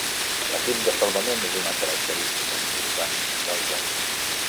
L'equip de salvament és una característica important del joc.